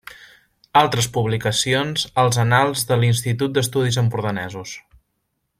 Altres publicacions als Annals de l'Institut d'Estudis Empordanesos.